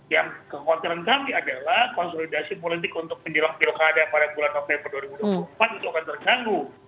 yang kekhawatiran kami adalah konsolidasi politik untuk menjelang pilkada pada bulan november dua ribu dua puluh empat itu akan terganggu